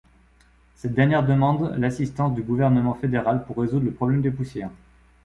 Cette dernière demande l'assistance du gouvernement fédéral pour résoudre le problème des poussières.